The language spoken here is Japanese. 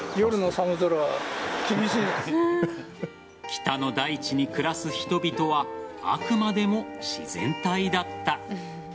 北の大地に暮らす人々はあくまでも自然体だった。